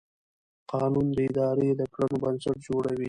قانون د ادارې د کړنو بنسټ جوړوي.